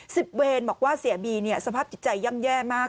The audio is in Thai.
เวรบอกว่าเสียบีเนี่ยสภาพจิตใจย่ำแย่มาก